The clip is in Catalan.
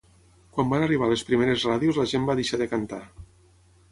Quan van arribar les primeres ràdios la gent va deixar de cantar